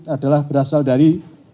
adalah berasal dari